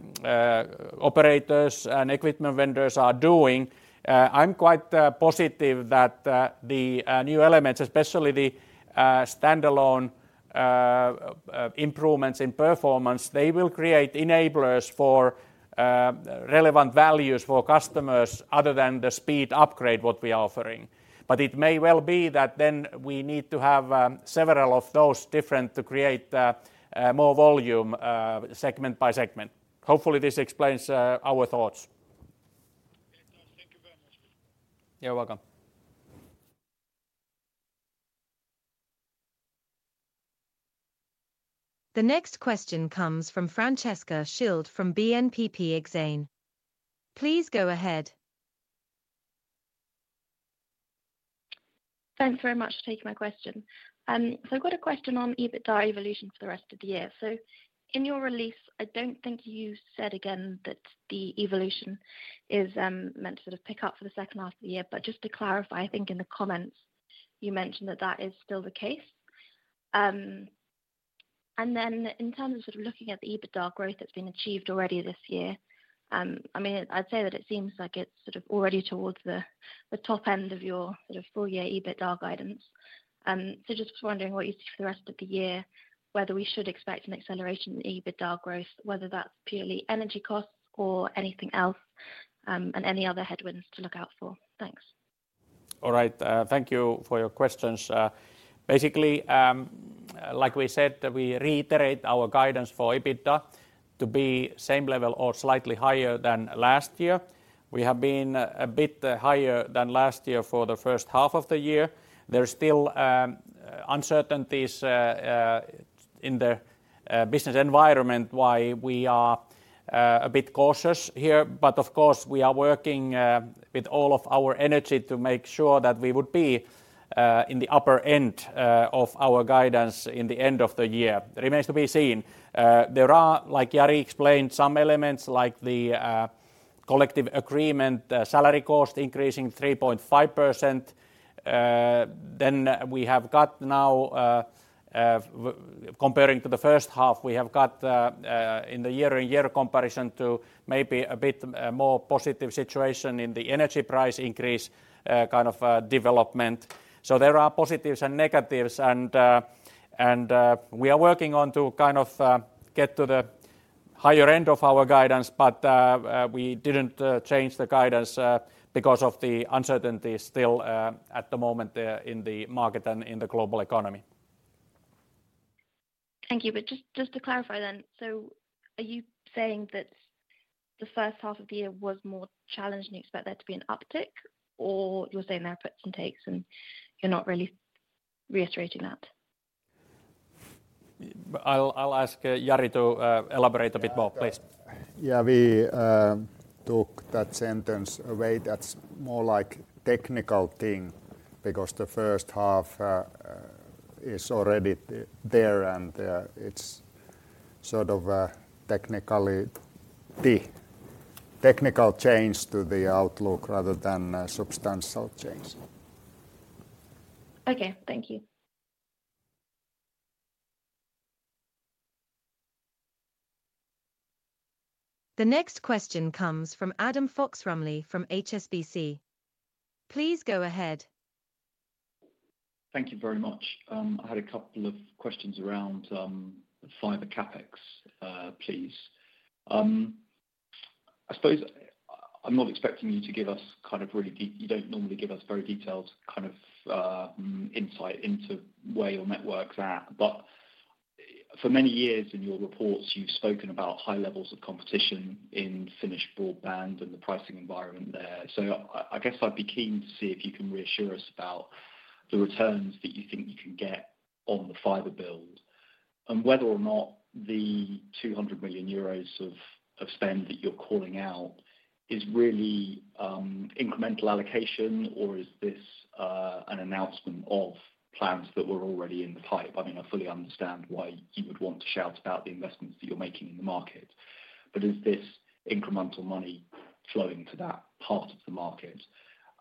operators and equipment vendors are doing. I'm quite positive that the standalone improvements in performance, they will create enablers for relevant values for customers other than the speed upgrade what we are offering. It may well be that then we need to have several of those different to create more volume, segment by segment. Hopefully, this explains our thoughts. It does. Thank you very much. You're welcome. The next question comes from Francesca Schild from BNP Paribas Exane. Please go ahead. Thanks very much for taking my question. I've got a question on EBITDA evolution for the rest of the year. In your release, I don't think you said again that the evolution is meant to sort of pick up for the second half of the year. Just to clarify, I think in the comments, you mentioned that that is still the case. Then in terms of sort of looking at the EBITDA growth that's been achieved already this year, I mean, I'd say that it seems like it's sort of already towards the top end of your sort of full year EBITDA guidance. Just was wondering what you see for the rest of the year, whether we should expect an acceleration in EBITDA growth, whether that's purely energy costs or anything else, and any other headwinds to look out for? Thanks. All right. Thank you for your questions. Basically, like we said, we reiterate our guidance for EBITDA to be same level or slightly higher than last year. We have been a bit higher than last year for the first half of the year. There are still uncertainties in the business environment why we are a bit cautious here. Of course, we are working with all of our energy to make sure that we would be in the upper end of our guidance in the end of the year. Remains to be seen. There are, like Jari explained, some elements like the collective agreement, salary cost increasing 3.5%. We have got now, comparing to the first half, we have got, in the year-on-year comparison to maybe a bit more positive situation in the energy price increase, kind of development. There are positives and negatives, and we are working on to kind of get to the higher end of our guidance. We didn't change the guidance because of the uncertainty still at the moment in the market and in the global economy. Thank you. Just to clarify then, are you saying that the first half of the year was more challenging, and you expect there to be an uptick? Are you saying there are puts and takes, and you're not really reiterating that? I'll ask Jari to elaborate a bit more, please. We took that sentence away. That's more like technical thing, because the first half is already there, and it's sort of technically the technical change to the outlook rather than substantial change. Okay, thank you. The next question comes from Adam Fox-Rumley from HSBC. Please go ahead. Thank you very much. I had a couple of questions around fiber CapEx, please. I suppose I'm not expecting you to give us kind of really you don't normally give us very detailed kind of insight into where your network's at. For many years in your reports, you've spoken about high levels of competition in Finnish broadband and the pricing environment there. I guess I'd be keen to see if you can reassure us about the returns that you think you can get on the fiber build. Whether or not the 200 million euros of spend that you're calling out is really incremental allocation, or is this an announcement of plans that were already in the pipe? I mean, I fully understand why you would want to shout about the investments that you're making in the market, but is this incremental money flowing to that part of the market?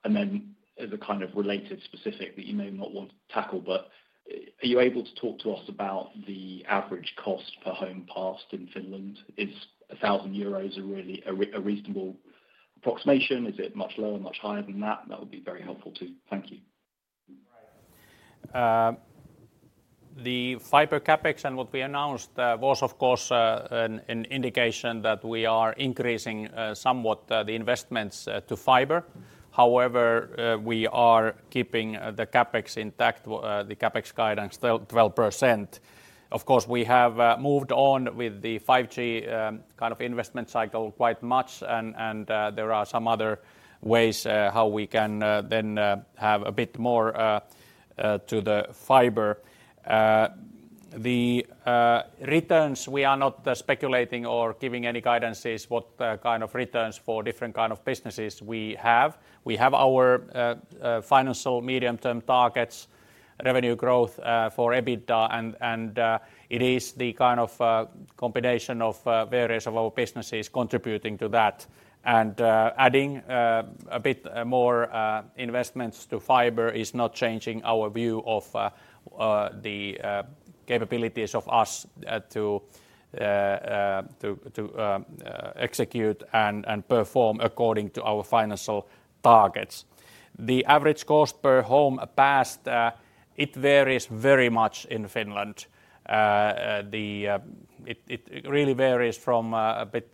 Then as a kind of related specific that you may not want to tackle, but are you able to talk to us about the average cost per home passed in Finland? Is 1,000 euros a really reasonable approximation? Is it much lower, much higher than that? That would be very helpful, too. Thank you. Right. The fiber CapEx and what we announced was, of course, an indication that we are increasing somewhat the investments to fiber. However, we are keeping the CapEx intact, the CapEx guidance 12%. Of course, we have moved on with the 5G kind of investment cycle quite much, and there are some other ways how we can then have a bit more to the fiber. The returns, we are not speculating or giving any guidances what kind of returns for different kind of businesses we have. We have our financial medium-term targets, revenue growth for EBITDA, and it is the kind of combination of various of our businesses contributing to that. Adding a bit more investments to fiber is not changing our view of the capabilities of us to execute and perform according to our financial targets. The average cost per home passed, it varies very much in Finland. It really varies from a bit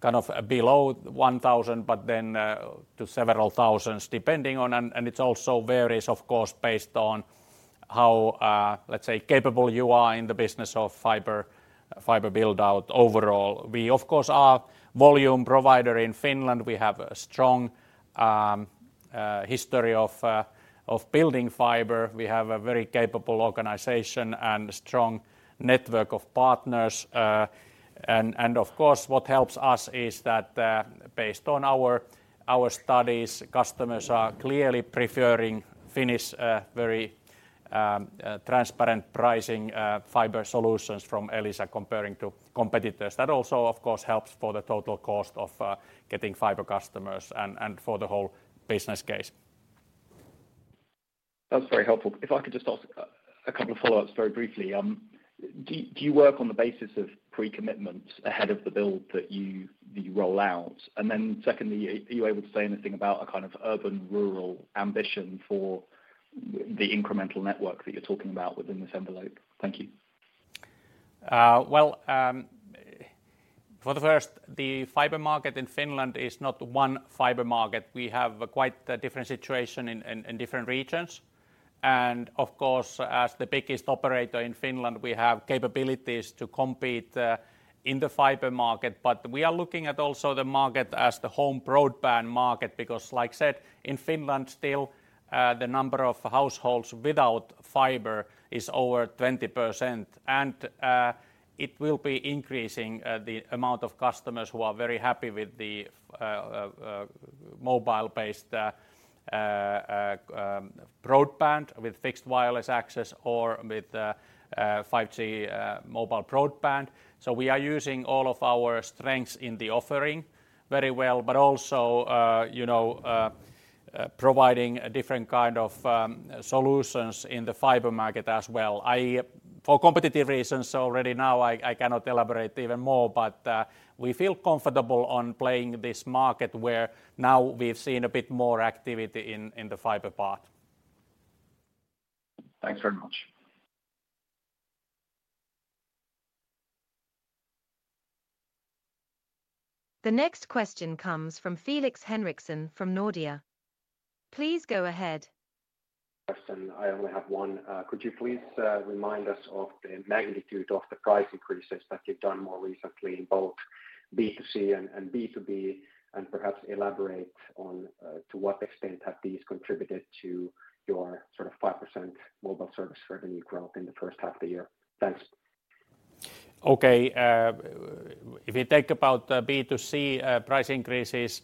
kind of below 1,000 to several thousands, depending on. It also varies, of course, based on how, let's say, capable you are in the business of fiber build-out overall. We, of course, are volume provider in Finland. We have a strong history of building fiber. We have a very capable organization and a strong network of partners. Of course, what helps us is that, based on our studies, customers are clearly preferring Finnish, very transparent pricing, fiber solutions from Elisa comparing to competitors. That also, of course, helps for the total cost of getting fiber customers and for the whole business case. That's very helpful. If I could just ask a couple of follow-ups very briefly. Do you work on the basis of pre-commitment ahead of the build that you roll out? Secondly, are you able to say anything about a kind of urban, rural ambition for the incremental network that you're talking about within this envelope? Thank you. Well, for the first, the fiber market in Finland is not one fiber market. We have a quite a different situation in different regions. Of course, as the biggest operator in Finland, we have capabilities to compete in the fiber market. We are looking at also the market as the home broadband market, because like I said, in Finland, still, the number of households without fiber is over 20%. It will be increasing the amount of customers who are very happy with the mobile-based broadband, with fixed wireless access or with 5G mobile broadband. We are using all of our strengths in the offering very well, but also, you know, providing a different kind of solutions in the fiber market as well. I, for competitive reasons, already now, I cannot elaborate even more, but we feel comfortable on playing this market, where now we've seen a bit more activity in the fiber part. Thanks very much. The next question comes from Felix Henriksson from Nordea. Please go ahead. Felix Henriksson. I only have one. Could you please remind us of the magnitude of the price increases that you've done more recently in both B2C and B2B, and perhaps elaborate on to what extent have these contributed to your sort of 5% mobile service revenue growth in the first half of the year? Thanks. Okay, if you think about the B2C price increases,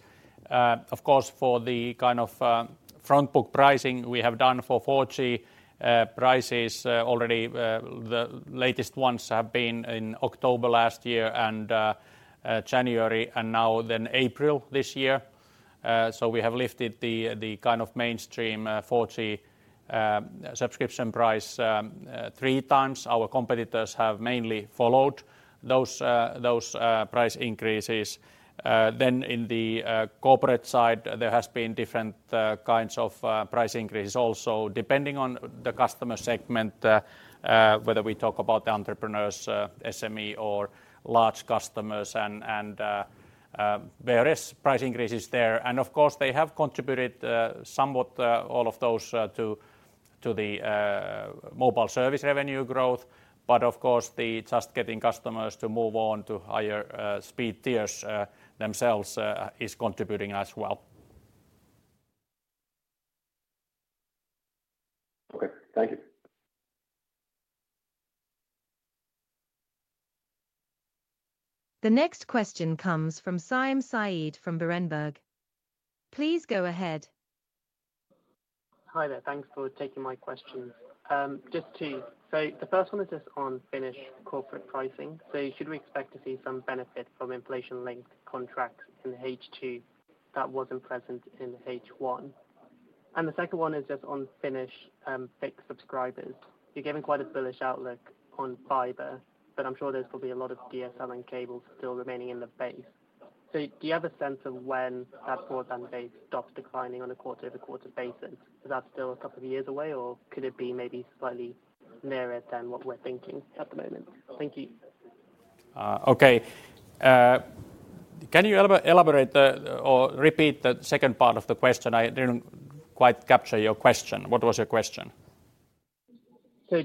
of course, for the kind of fixed front book pricing we have done for 4G prices, already, the latest ones have been in October last year and January, and now then April this year. We have lifted the kind of mainstream 4G subscription price 3x. Our competitors have mainly followed those price increases. In the corporate side, there has been different kinds of price increases also, depending on the customer segment, whether we talk about the entrepreneurs, SME or large customers and various price increases there. Of course, they have contributed somewhat all of those to the mobile service revenue growth. Of course, the just getting customers to move on to higher speed tiers themselves is contributing as well. Okay, thank you. The next question comes from Saim Saeed from Berenberg. Please go ahead. Hi there. Thanks for taking my questions. Just two. The first one is just on Finnish corporate pricing. Should we expect to see some benefit from inflation-linked contracts in H2 that wasn't present in H1? The second one is just on Finnish fixed subscribers. You're giving quite a bullish outlook on fiber, but I'm sure there's probably a lot of DSL and cables still remaining in the base. Do you have a sense of when that broadband base stops declining on a quarter-over-quarter basis? Is that still a couple of years away, or could it be maybe slightly nearer than what we're thinking at the moment? Thank you. Okay. Can you elaborate the, or repeat the second part of the question? I didn't quite capture your question. What was your question?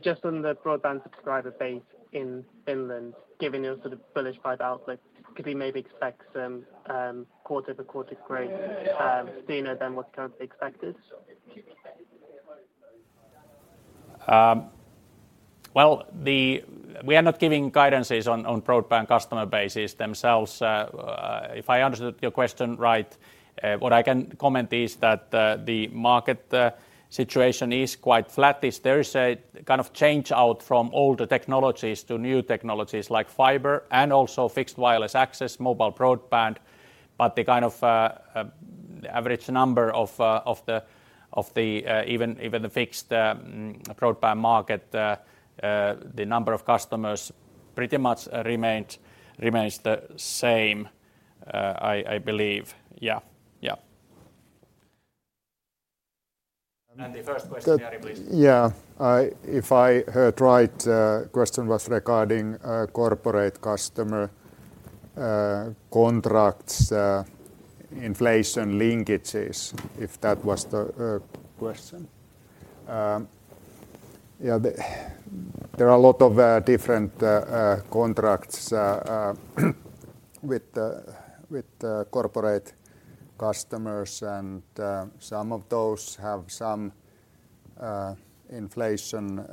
Just on the broadband subscriber base in Finland, given your sort of bullish fiber outlook, could we maybe expect some quarter-over-quarter growth sooner than what's currently expected? Well, we are not giving guidances on broadband customer bases themselves. If I understood your question right, what I can comment is that the market situation is quite flat. There is a kind of change out from older technologies to new technologies like fiber and also fixed wireless access, mobile broadband, but the kind of average number of the even the fixed broadband market, the number of customers pretty much remained, remains the same, I believe. Yeah. The first question, Jari, please. Yeah. If I heard right, question was regarding corporate customer contracts, inflation linkages, if that was the question? Yeah, there are a lot of different contracts with the corporate customers, and some of those have some inflation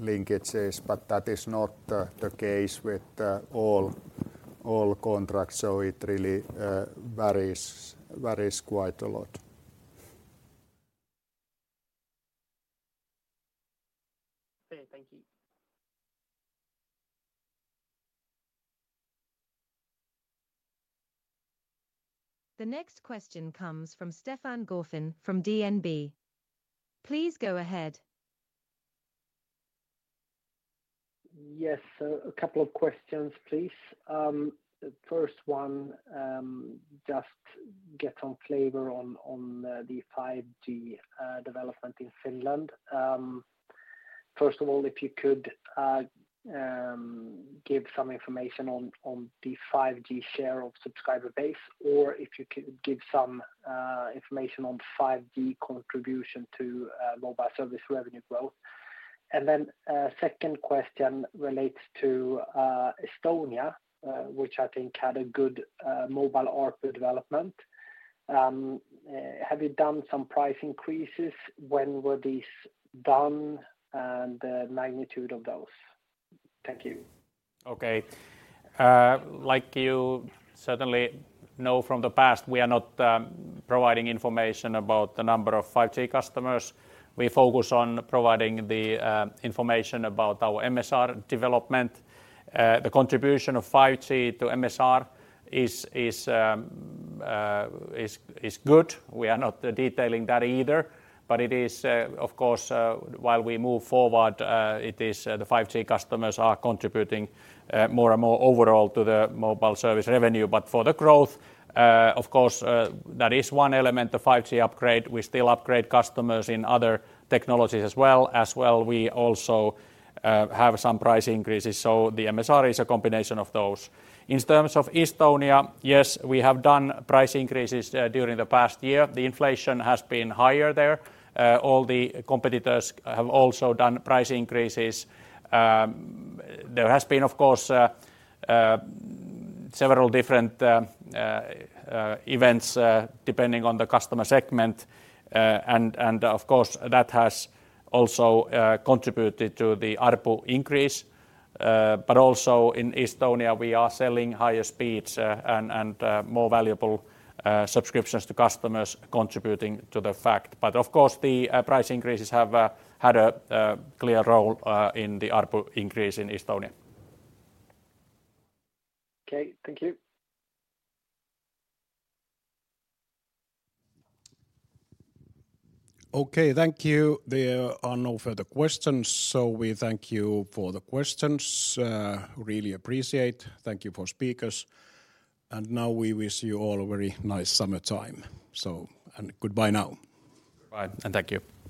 linkages, but that is not the case with all contracts, so it really varies quite a lot. Okay. Thank you. The next question comes from Stefan Gauffin from DNB. Please go ahead. A couple of questions, please. The first one, just get some flavor on the 5G development in Finland. First of all, if you could give some information on the 5G share of subscriber base, or if you could give some information on 5G contribution to mobile service revenue growth. Second question relates to Estonia, which I think had a good mobile ARPU development. Have you done some price increases? When were these done, and the magnitude of those? Thank you. Okay. Like you certainly know from the past, we are not providing information about the number of 5G customers. We focus on providing the information about our MSR development. The contribution of 5G to MSR is good. We are not detailing that either, but it is, of course, while we move forward, it is the 5G customers are contributing more and more overall to the mobile service revenue. For the growth, of course, that is one element, the 5G upgrade. We still upgrade customers in other technologies as well. As well, we also have some price increases, so the MSR is a combination of those. In terms of Estonia, yes, we have done price increases during the past year. The inflation has been higher there. All the competitors have also done price increases. There has been, of course, several different events, depending on the customer segment. And of course, that has also contributed to the ARPU increase. Also in Estonia, we are selling higher speeds, and more valuable subscriptions to customers, contributing to the fact. Of course, the price increases have had a clear role in the ARPU increase in Estonia. Okay. Thank you. Okay, thank you. There are no further questions. We thank you for the questions. Really appreciate. Thank you for speakers. Now we wish you all a very nice summertime. Goodbye now. Bye, and thank you.